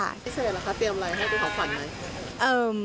พิเศษเหรอคะเตรียมอะไรให้เป็นของขวัญไหม